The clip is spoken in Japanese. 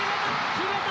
決めた！